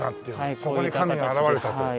ここに神が現れたと。